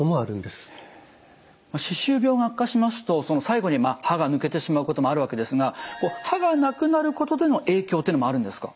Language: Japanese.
歯周病が悪化しますと最後に歯が抜けてしまうこともあるわけですが歯がなくなることでの影響ってのもあるんですか？